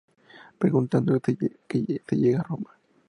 Preguntando se llega a Roma